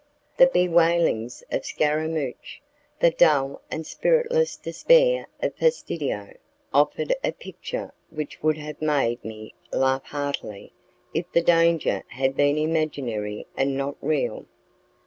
The bewailings of scaramouch, the dull and spiritless despair of Fastidio, offered a picture which would have made me laugh heartily if the danger had been imaginary and not real.